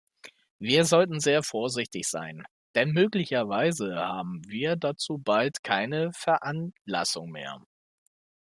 Wir sollten sehr vorsichtig sein, denn möglicherweise haben wir dazu bald keine Veranlassung mehr.